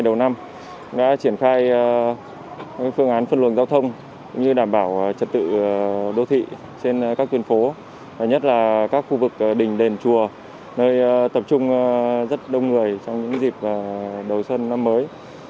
điều đáng nhớ là các khu vực đỉnh đền chùa nơi tập trung rất đông người trong những dịp đầu xuân năm mới